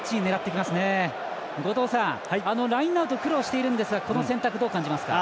ラインアウト苦労しているんですがこの選択どう感じますか。